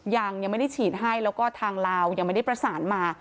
ยังไม่ได้ฉีดให้แล้วก็ทางลาวยังไม่ได้ประสานมา